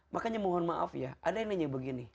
makanya mohon maaf ya ada yang nanya begini